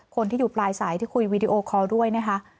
คนที่อยู่ปลายสายที่คุยวีดีโอคอลด้วยนะคะ